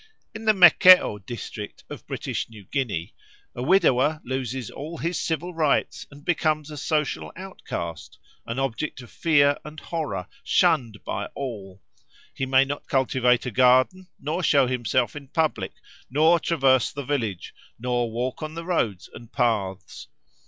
In the Mekeo district of British New Guinea a widower loses all his civil rights and becomes a social outcast, an object of fear and horror, shunned by all. He may not cultivate a garden, nor show himself in public, nor traverse the village, nor walk on the roads and paths.